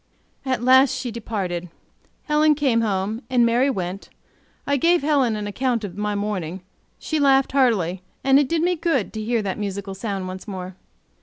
At last she departed. Helen came home, and Mary went. I gave Helen an account of my morning; she laughed heartily, and it did me good to hear that musical sound once more.